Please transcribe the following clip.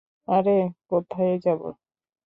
আরে, কোথায় যাব?